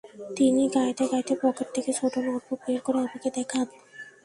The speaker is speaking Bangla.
তিনি গাইতে গাইতে পকেট থেকে ছোট্ট নোটবুক বের করে আমাকে দেখান।